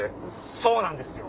そうなんですよ。